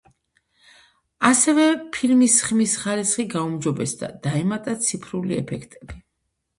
ასევე ფილმის ხმის ხარისხი გაუმჯობესდა, დაემატა ციფრული ეფექტები.